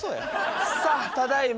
さあただいま